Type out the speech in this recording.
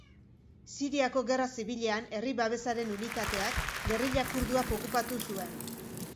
Siriako Gerra Zibilean Herri Babesaren Unitateak gerrilla kurduak okupatu zuen.